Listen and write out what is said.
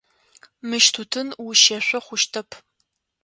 Мыщ тутын ущешъо хъущэп.